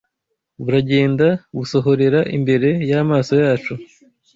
buragenda busohorera imbere y’amaso yacu